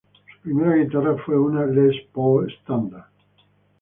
Su primera guitarra fue una Les Paul Standard.